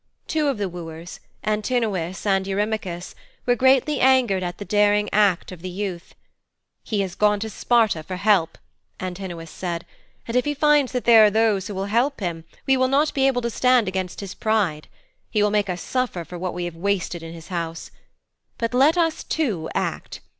Two of the wooers, Antinous and Eurymachus, were greatly angered at the daring act of the youth. 'He has gone to Sparta for help,' Antinous said, 'and if he finds that there are those who will help him we will not be able to stand against his pride. He will make us suffer for what we have wasted in his house. But let us too act.